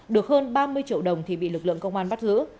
được hơn ba mươi triệu đồng thì bị lực lượng công an bắt giữ